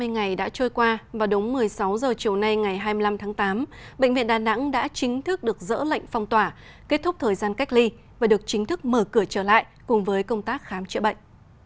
hai mươi ngày đã trôi qua và đúng một mươi sáu h chiều nay ngày hai mươi năm tháng tám bệnh viện đà nẵng đã chính thức được dỡ lệnh phong tỏa kết thúc thời gian cách ly và được chính thức mở cửa trở lại cùng với công tác khám chữa bệnh